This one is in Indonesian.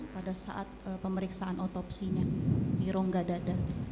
pada saat pemeriksaan otopsinya di rongga dada